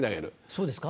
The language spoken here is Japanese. そうですか？